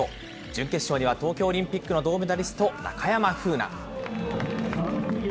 準決勝には東京オリンピックの銅メダリスト、中山楓奈。